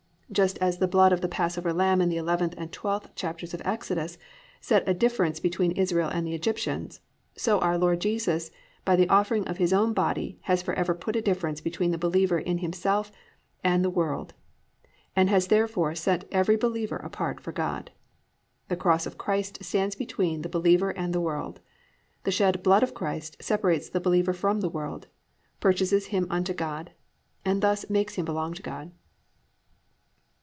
Just as the blood of the Passover Lamb in the 11th and 12th chapters of Exodus set a difference between Israel and the Egyptians, so our Lord Jesus by the offering of His own body has forever put a difference between the believer in Himself and the world, and has forever set every believer apart for God. The Cross of Christ stands between the believer and the world. The shed blood of Christ separates the believer from the world, purchases him to God and thus makes him to belong to God.